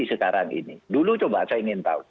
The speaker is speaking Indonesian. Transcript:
sekarang ini dulu coba saya ingin tahu